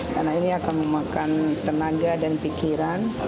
karena ini akan memakan tenaga dan pikiran